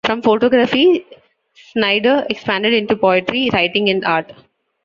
From photography, Snyder expanded into poetry, writing, and art.